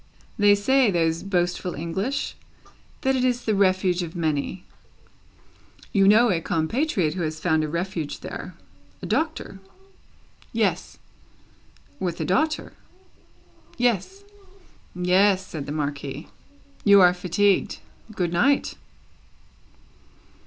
"They say, those boastful English, that it is the Refuge of many. You know a compatriot who has found a Refuge there? A Doctor?" "Yes." "With a daughter?" "Yes." "Yes," said the Marquis. "You are fatigued. Good night!"